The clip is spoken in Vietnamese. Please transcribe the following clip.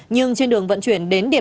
nhưng trên đường vận chuyển đến địa phương